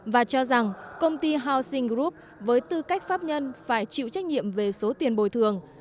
và cho rằng công ty housing group với tư cách pháp nhân phải chịu trách nhiệm về số tiền bồi thường